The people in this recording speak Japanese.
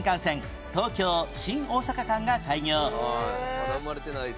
まだ生まれてないです。